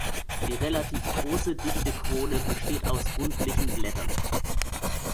Die relativ große, dichte Krone besteht aus rundlichen Blättern.